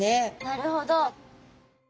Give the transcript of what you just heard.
なるほど。